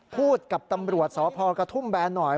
พูดกับตำรวจสพกระทุ่มแบนหน่อย